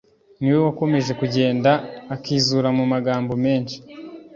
ni we wakomeje kugenda akizura mu magambo menshi